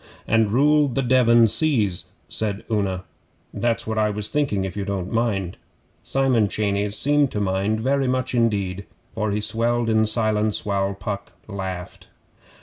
'"And ruled the Devon seas,"' Una went on. 'That's what I was thinking if you don't mind.' Simon Cheyneys seemed to mind very much indeed, for he swelled in silence while Puck laughed.